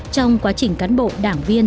trong quá trình cán bộ đảng viên